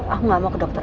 aku gak mau ke dokter